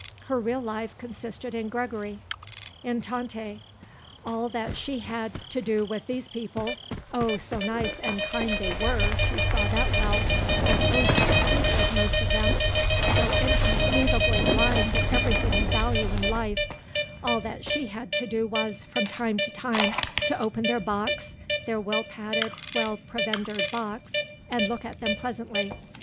Her real life consisted in Gregory; in Tante. All that she had to do with these people oh, so nice and kind they were, she saw that well, but oh so stupid, most of them, so inconceivably blind to everything of value in life all that she had to do was, from time to time, to open their box, their well padded, well provendered box, and look at them pleasantly.